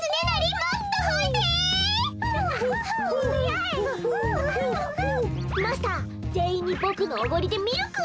マスターぜんいんにボクのおごりでミルクを！